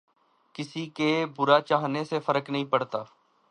کســـی کے برا چاہنے سے فرق نہیں پڑتا